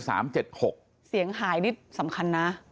เสียงหายนี่สำคัญนะ